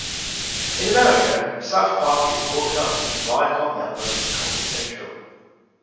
In America, "South Park" is broadcast on the Viacom network Comedy Central.